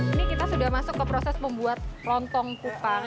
ini kita sudah masuk ke proses membuat lontong kupang